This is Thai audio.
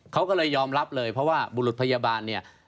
เขาก็เลยยอมรับเลยเพราะว่าบุรุษพยาบาลเนี่ย